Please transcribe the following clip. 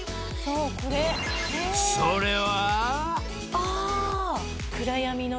［それは］